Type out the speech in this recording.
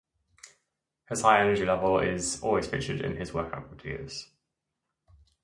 His high energy level is always featured in his workout videos.